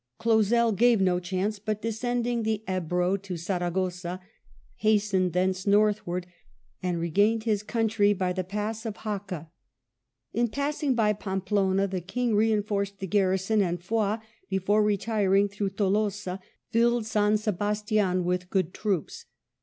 Clausel gave no chance, but descending the Ebro to Saragossa, hastened thence northward, and regained his country by the pass of Jaca. In passing by Pampeluna the King reinforced the garrison, and Foy, before retiring through Tolosa, filled San Sebastian with good troops.